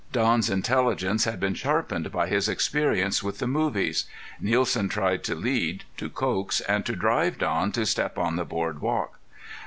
Don's intelligence had been sharpened by his experience with the movies. Nielsen tried to lead, to coax, and to drive Don to step on the board walk.